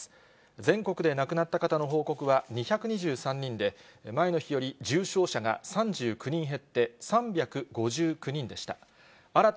全国で亡くなった方の報告は２２３人で、前の日より重症者が３９人減って３５９人でした。